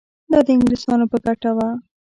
دا د انګلیسیانو په ګټه وه.